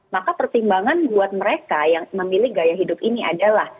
maka pertimbangan buat mereka yang memilih gaya hidup ini adalah